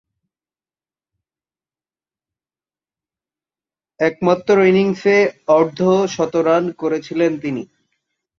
একমাত্র ইনিংসে অর্ধ-শতরান করেছিলেন তিনি।